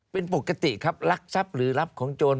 เป็นปกติครับรักทรัพย์หรือรับของโจร